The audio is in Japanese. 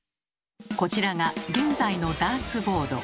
こちらが現在のダーツボード。